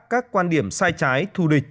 các quan điểm sai trái thù địch